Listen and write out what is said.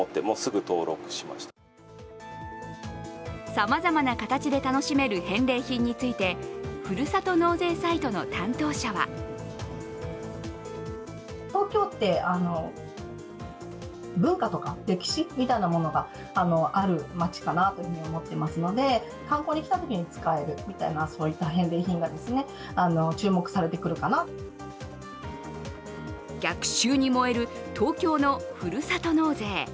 さまざまな形で楽しめる返礼品について、ふるさと納税サイトの担当者は逆襲に燃える東京のふるさと納税。